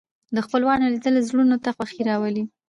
د خپلوانو لیدل زړونو ته خوښي راولي